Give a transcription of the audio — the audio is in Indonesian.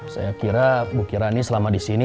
saya kira bu kirani selama disini